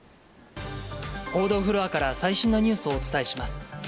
報道フロアから、最新のニュースをお伝えします。